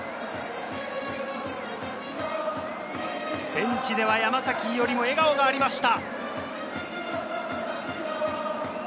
ベンチでは山崎伊織も笑顔がありました。